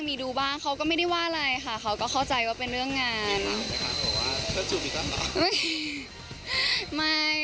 มีถามเลยค่ะเขาบอกว่าเธอจูบมีตั้งหรอ